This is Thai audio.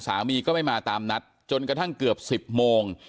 สามีก็ไม่มาตามนัดจนกระทั่งเกือบ๑๐โมง